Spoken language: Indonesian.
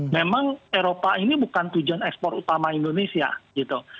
memang eropa ini bukan tujuan ekspor utama indonesia gitu